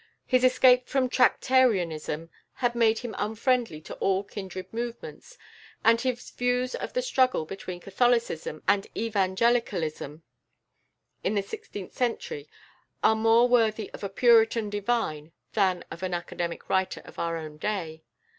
His escape from Tractarianism had made him unfriendly to all kindred movements, and his views of the struggle between Catholicism and Evangelicalism in the sixteenth century are more worthy of a Puritan divine than of an academic writer of our own day.